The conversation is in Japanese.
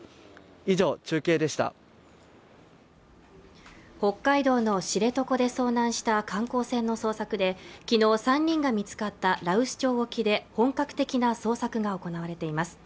以上中継でした北海道の知床で遭難した観光船の捜索できのう３人が見つかった羅臼町沖で本格的な捜索が行われています